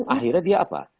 akhirnya dia apa